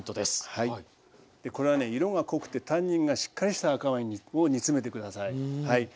これはね色が濃くてタンニンがしっかりした赤ワインを煮詰めて下さい。